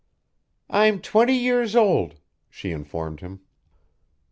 "I'm twenty years old," she informed him.